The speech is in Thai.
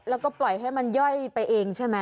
แล้วก็ปล่อยให้มันย่อยไปเองใช่ไหม